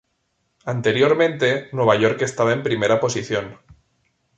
Anteriormente, Nueva York estaba en primera posición.